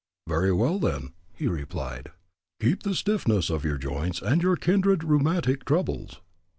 "Very well, then," he replied, "keep the stiffness of your joints and your kindred rheumatic troubles."